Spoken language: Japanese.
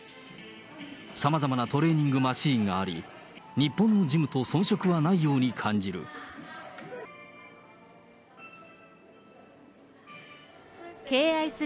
さまざまなトレーニングマシーンがあり、日本のジムとそん色はないように感じる。